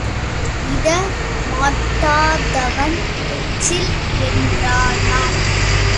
இட மாட்டாதவன் எச்சில் என்றானாம்.